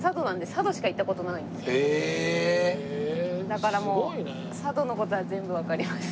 だからもう佐渡の事は全部わかります。